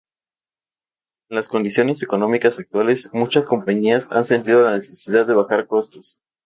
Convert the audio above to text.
En las condiciones económicas actuales, muchas compañías han sentido la necesidad de bajar costos.